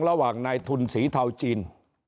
ระหว่างนายทุนสีเทาจีน